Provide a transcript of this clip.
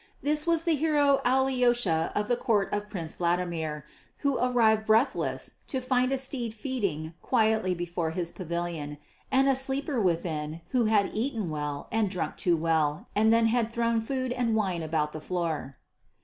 This was the hero Alyosha of the court of Prince Vladimir, who arrived breathless to find a steed feeding quietly before his pavilion, and a sleeper within who had eaten well and drunk too well and then had thrown food and wine about the floor.